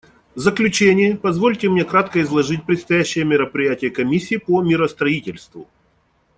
В заключение позвольте мне кратко изложить предстоящие мероприятия Комиссии по миростроительству.